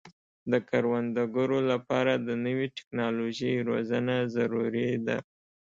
د کروندګرو لپاره د نوې ټکنالوژۍ روزنه ضروري ده.